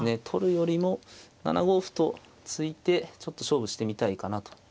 取るよりも７五歩と突いてちょっと勝負してみたいかなと。